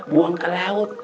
buang ke laut